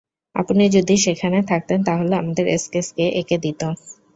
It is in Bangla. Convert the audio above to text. আপনি যদি সেখানে থাকতেন তাহলে আমাদের স্কেচ কে এঁকে দিতো।